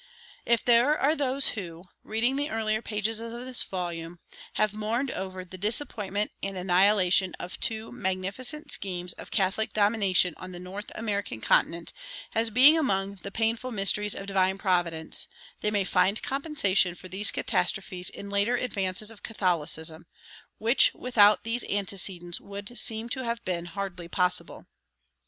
If there are those who, reading the earlier pages of this volume, have mourned over the disappointment and annihilation of two magnificent schemes of Catholic domination on the North American continent as being among the painful mysteries of divine providence, they may find compensation for these catastrophes in later advances of Catholicism, which without these antecedents would seem to have been hardly possible.